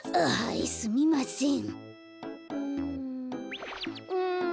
あはいすみません。